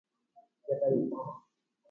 Jakarupáma.